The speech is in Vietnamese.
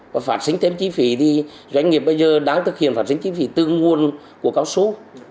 và phản sinh thêm chi phí thì doanh nghiệp bây giờ đang thực hiện phản sinh chi phí tư nguồn của cao số